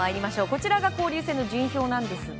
こちらが交流戦の順位表です。